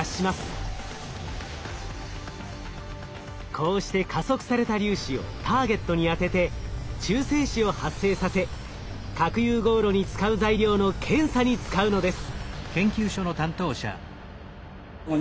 こうして加速された粒子をターゲットに当てて中性子を発生させ核融合炉に使う材料の検査に使うのです。